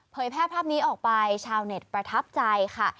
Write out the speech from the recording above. แพร่ภาพนี้ออกไปชาวเน็ตประทับใจค่ะ